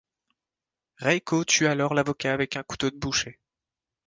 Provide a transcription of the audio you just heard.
Reiko tue alors l'avocat avec un couteau de boucher.